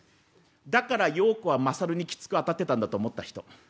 だからようこはまさるにきつくあたってたんだと思った人」。